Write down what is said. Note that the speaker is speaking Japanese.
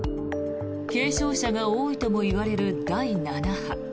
軽症者が多いともいわれる第７波。